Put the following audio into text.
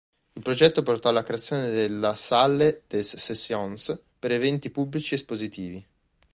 Il progetto portò alla creazione della "Salle des Sessions" per eventi pubblici espositivi.